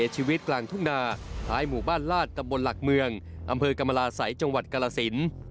จากวัดกรสิน